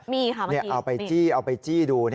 มีค่ะบางทีนี่นี่เอาไปจี้เอาไปจี้ดู